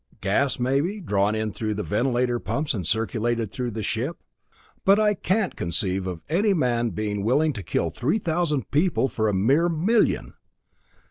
Gas, maybe, drawn in through the ventilator pumps and circulated through the ship. But I can't conceive of any man being willing to kill three thousand people for a mere million!